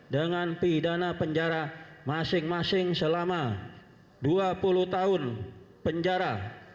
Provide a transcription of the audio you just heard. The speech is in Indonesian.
dengan pidana penjara masing masing selama dua puluh tahun penjara